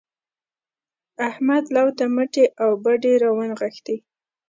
احمد لو ته مټې او بډې راونغښتې.